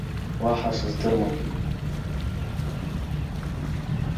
Уаҳа сыздыруам.